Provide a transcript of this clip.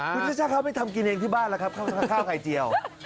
คุณชิช่าเขาไปทำกินเองที่บ้านแล้วครับข้าวไข่เจียว